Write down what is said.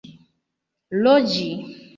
loĝi